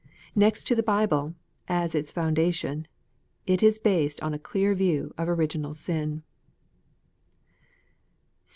Next to the Bible, as its foundation, it is based on a clear view of original sin.